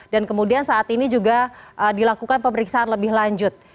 dan kemudian saat ini juga dilakukan pemeriksaan lebih lanjut